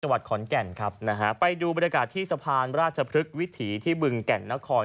วัดขอนแก่นครับนะฮะไปดูบรรยากาศที่สะพานราชพฤกษ์วิถีที่บึงแก่นนคร